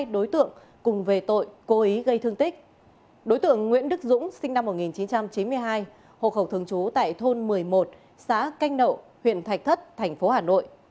đối tượng nguyễn đức dũng sinh năm một nghìn chín trăm chín mươi hai hộ khẩu thường trú tại thôn một mươi một xã canh nậu huyện thạch thất thành phố hà nội